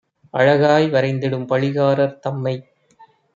அழகாய் வரைந்திடும் பழிகாரர் தம்மை